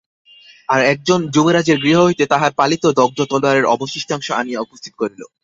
আর একজন, যুবরাজের গৃহ হইতে তাঁহার গলিত দগ্ধ তলােয়ারের অবশিষ্টাংশ আনিয়া উপস্থিত করিল।